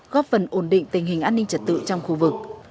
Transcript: góp phần ổn định tình hình an ninh trật tự trong khu vực